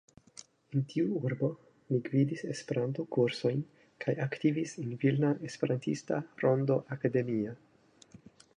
En tiu urbo li gvidis Esperanto-kursojn kaj aktivis en Vilna Esperantista Rondo Akademia.